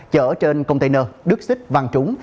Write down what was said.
chở trên container đứt xích vàng trúng